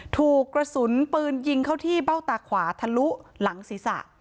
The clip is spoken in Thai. ถูกกระสุนปืนยิงเข้าที่เบ้าตาขวาทะลุหลังศีรษะ